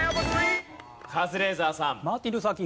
カズレーザーさん。